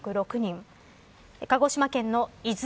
鹿児島県の出水